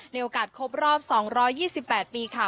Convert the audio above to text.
โอกาสครบรอบ๒๒๘ปีค่ะ